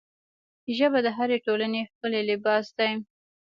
ژبه د هرې ټولنې ښکلی لباس دی